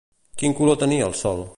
Quin color tenia el sol?